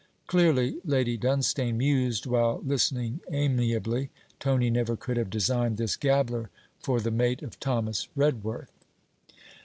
Clearly, Lady Dunstane mused while listening amiably, Tony never could have designed this gabbler for the mate of Thomas Redworth!